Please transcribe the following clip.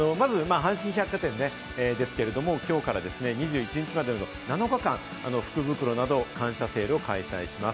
まずは阪神百貨店ですけれども、きょうから２１日までの７日間、福袋など感謝セールを開催します。